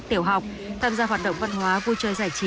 tiểu học tham gia hoạt động văn hóa vui chơi giải trí